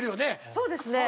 そうですね。